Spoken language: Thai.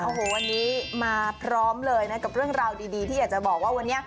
โอ้โหวันนี้มาพร้อมเลยนะกับเรื่องราวดีที่อยากจะบอกว่าวันนี้